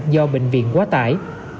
do bệnh viện quá tải